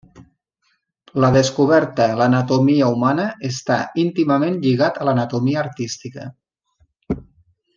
La descoberta l'anatomia humana està íntimament lligat a l'anatomia artística.